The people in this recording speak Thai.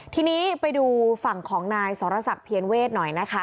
ทีนี้ไปดูฝั่งของนายสรษักเพียรเวทหน่อยนะคะ